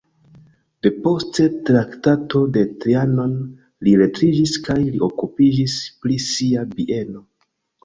Depost Traktato de Trianon li retiriĝis kaj li okupiĝis pri sia bieno.